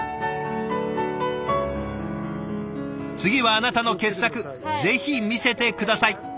次はあなたの傑作ぜひ見せて下さい。